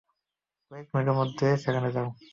কয়েক মিনিটের মধ্যে সেখানে যাও।